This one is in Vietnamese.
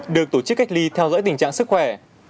được tổ chức cách ly theo dõi tình trạng sức khỏe